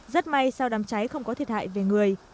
rất may sau đám cháy không có thiệt hại về người